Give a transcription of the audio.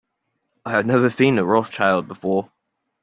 I have never seen a Rothschild before.